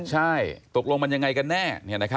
ใช่ตกลงมันยังไงกันแน่